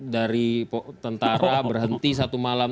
dari tentara berhenti satu malam